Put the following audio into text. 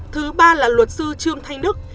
thứ ba là luật sư trương thanh đức